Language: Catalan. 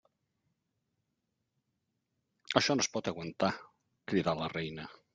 Això no es pot aguantar! —cridà la reina—.